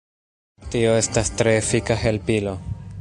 Tio estas tre efika helpilo.